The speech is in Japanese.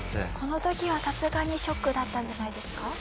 この時はさすがにショックだったんじゃないですか？